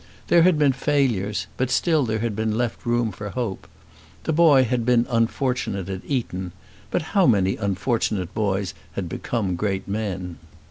There had been failures, but still there had been left room for hope. The boy had been unfortunate at Eton; but how many unfortunate boys had become great men!